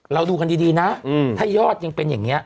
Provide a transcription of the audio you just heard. เราดูกันดีนะถ้ายอดยังเป็นอย่างนี้